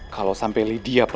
kalau sampai lydia pelakunya